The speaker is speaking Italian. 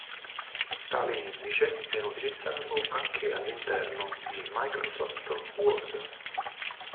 Tale indice viene utilizzato anche all'interno di Microsoft Word.